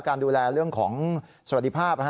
แต่เรื่องของสวัสดิภาพ